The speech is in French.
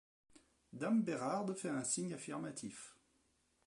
Dame Bérarde fait un signe affirmatif.